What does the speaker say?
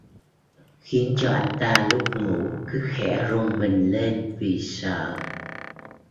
Khiến cho anh ta lúc ngủ cứ khẽ rùng mình lên vì sợ